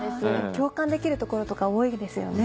共感できるところとか多いですよね。